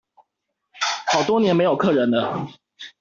好多年沒有客人了